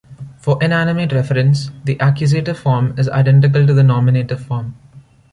For inanimate referents, the accusative form is identical to the nominative form.